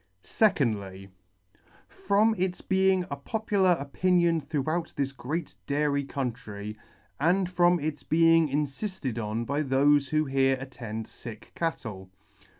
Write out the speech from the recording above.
Secondly. From its being a popular opinion throughout this great dairy country, and from its being infifted on by thofe who here attend fick cattle.